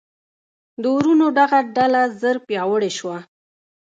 د وروڼو دغه ډله ژر پیاوړې شوه.